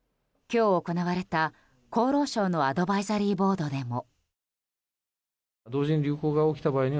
今日行われた、厚労省のアドバイザリーボードでも。